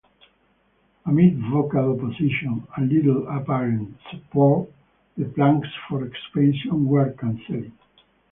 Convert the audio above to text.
Amid vocal opposition and little apparent support, the plans for expansion were cancelled.